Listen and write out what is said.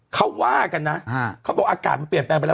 เขาว่ากันนะเขาบอกอากาศมันเปลี่ยนแปลงไปแล้ว